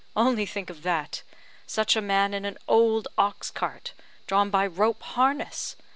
Only think of that! Such a man in an old ox cart, drawn by _rope harness!